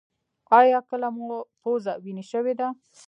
ایا کله مو پوزه وینې شوې ده؟